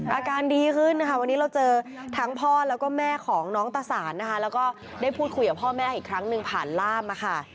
อาการดีขึ้นนะคะวันนี้เราเจอทั้งพ่อแล้วก็แม่ของน้องตะสานนะคะแล้วก็ได้พูดคุยกับพ่อแม่อีกครั้งหนึ่งผ่านล่ามมาค่ะ